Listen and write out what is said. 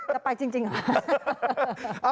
จะไปจริงเหรอ